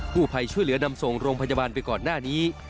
ผู้ภัยช่วยเหลือนำส่งโรงพยาบาลไปก่อนหน้านี้